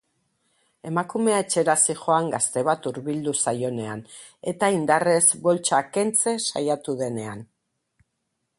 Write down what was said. Emakumea etxera zihoan gazte bat hurbildu zaionean eta indarrez boltsa kentze saiatu denean.